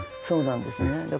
そうなんですね。